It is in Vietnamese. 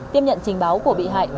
tiếp nhận trình báo của bị hại